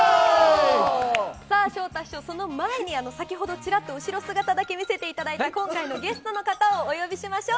さあ、昇太師匠、その前に先ほどちらっと後ろ姿だけ見せていただいた、今回のゲストの方をお呼びしましょう。